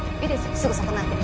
すぐそこなんで。